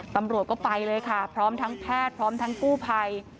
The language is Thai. ตำรวจก็ไปเลยค่ะพร้อมทั้งแพทย์พร้อมทั้งกู้ภัย